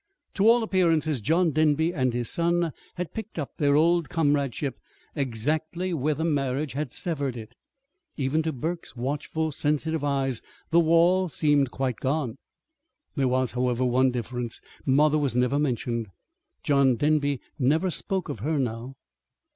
To all appearances John Denby and his son had picked up their old comradeship exactly where the marriage had severed it. Even to Burke's watchful, sensitive eyes the "wall" seemed quite gone. There was, however, one difference: mother was never mentioned. John Denby never spoke of her now.